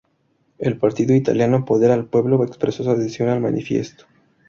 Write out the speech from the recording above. El partido italiano Poder al Pueblo expresó su adhesión al manifiesto.